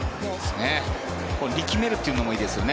力めるというのもいいですよね。